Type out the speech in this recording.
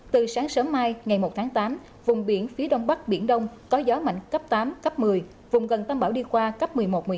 từ sáng sớm mai ngày một tháng tám vùng biển phía đông bắc biển đông có gió mạnh cấp tám cấp một mươi vùng gần tâm bão đi qua cấp một mươi một một mươi hai